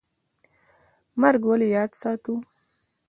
مرګ ولې یاد ساتو؟